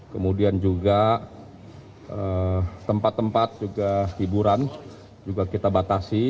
kemudian juga tempat tempat juga hiburan juga kita batasi